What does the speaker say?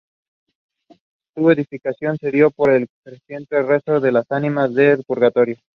Su edificación se dio por el creciente rezo a las ánimas del purgatorio.